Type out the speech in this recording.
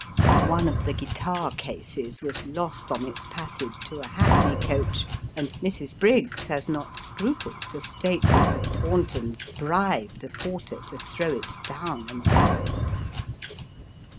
One of the guitar cases was lost on its passage to a hackney coach, and Mrs. Briggs has not scrupled to state that the Tauntons bribed a porter to throw it down an area.